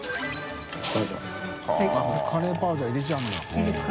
△カレーパウダー入れちゃうんだ。